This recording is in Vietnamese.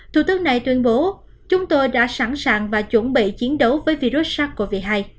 thủ tướng này tuyên bố chúng tôi đã sẵn sàng và chuẩn bị chiến đấu với virus sars cov hai